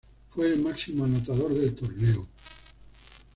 Fue el máximo anotador del torneo.